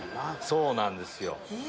そうなんですよ。